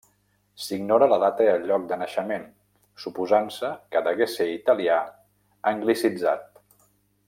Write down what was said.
S'ignora la data i lloc de naixement, suposant-se que degué ser italià anglicitzat.